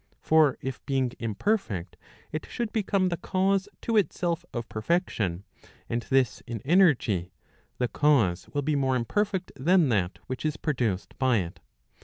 For if being imperfect it should become the cause to itself of perfection, and this in energy, the cause will be more imperfect than that which is produced by it.